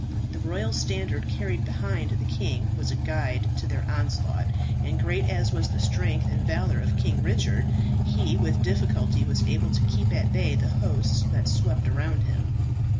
The royal standard carried behind the king was a guide to their onslaught, and great as was the strength and valour of King Richard, he with difficulty was able to keep at bay the hosts that swept around him.